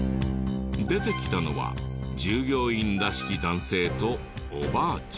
出てきたのは従業員らしき男性とおばあちゃん。